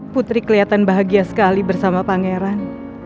putri kelihatan bahagia sekali bersama pangeran